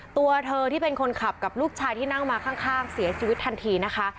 ตัวเธอที่เป็นคนขับกับลูกชายที่นั่งมาข้างเสียชีวิตทันทีนะคะ